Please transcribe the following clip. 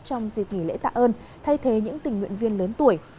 trong dịp nghỉ lễ tạ ơn thay thế những tình nguyện viên lớn tuổi